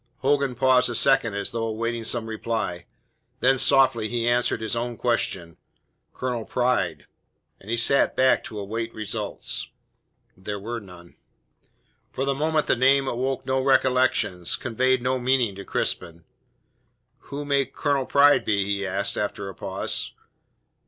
Hogan paused a second as though awaiting some reply; then softly he answered his own question: "Colonel Pride." And he sat back to await results. There were none. For the moment the name awoke no recollections, conveyed no meaning to Crispin. "Who may Colonel Pride be?" he asked, after a pause.